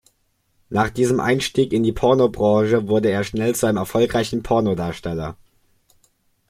Nach diesem Einstieg in die Pornobranche wurde er schnell zu einem erfolgreichen Pornodarsteller.